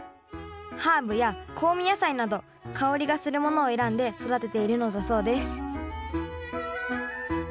ハーブや香味野菜など香りがするものを選んで育てているのだそうです